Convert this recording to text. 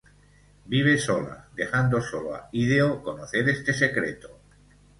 Vive sola, dejando sólo a Hideo conocer este secreto.